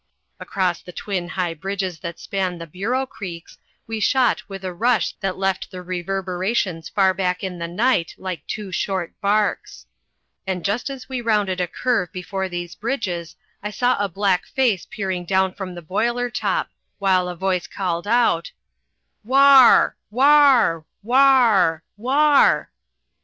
Across the twin high bridges that span the Bureau creeks we shot with a rush that left the reverberations far back in the night like two short barks. And just as we rounded a curve before these bridges I saw a black face peering down from the boiler top, while a voice called out: "Wahr wahr wahr wahr!"